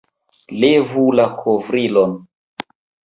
Levu la kovrilon!